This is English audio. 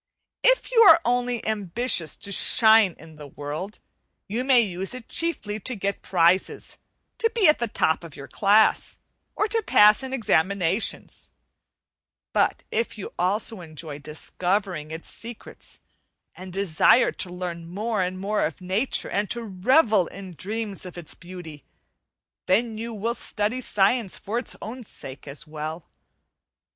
If you are only ambitious to shine in the world, you may use it chiefly to get prizes, to be at the top of your class, or to pass in examinations; but if you also enjoy discovering its secrets, and desire to learn more and more of nature and to revel in dreams of its beauty, then you will study science for its own sake as well.